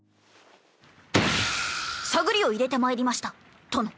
探りを入れてまいりました殿。